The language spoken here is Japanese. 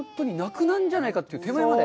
なくなるんじゃないかという手前まで？